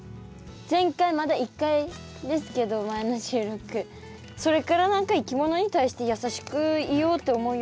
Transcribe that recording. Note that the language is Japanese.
前回まだ１回ですけど前の収録それから何かいきものに対して優しくいようって思うようになりました。